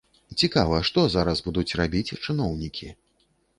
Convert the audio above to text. Цікава, што зараз будуць рабіць чыноўнікі?